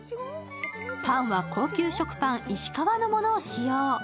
パンは高級食パン、い志かわのものを使用。